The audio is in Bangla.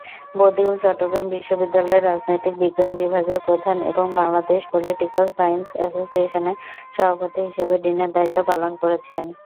বদিউল চট্টগ্রাম বিশ্ববিদ্যালয়ের রাজনৈতিক বিজ্ঞান বিভাগের প্রধান এবং বাংলাদেশ পলিটিকাল সায়েন্স অ্যাসোসিয়েশনের সভাপতি হিসাবে ডিনের দায়িত্ব পালন করেছেন।